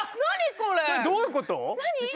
これどういうこと？